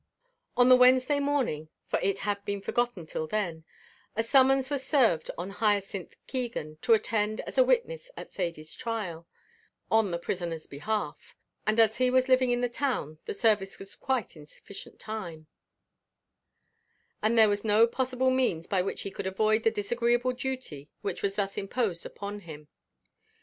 On the Wednesday morning, for it had been forgotten till then, a summons was served on Hyacinth Keegan to attend as a witness at Thady's trial, on the prisoner's behalf; and as he was living in the town the service was quite in sufficient time, and there was no possible means by which he could avoid the disagreeable duty which was thus imposed upon him.